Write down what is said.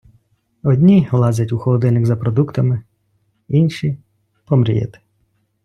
Одні лазять у холодильник за продуктами, інші — помріяти.